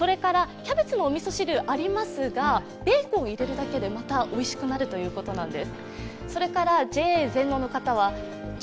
キャベツのおみそ汁はありますが、ベーコンを入れるだけでまたおいしくなるということです。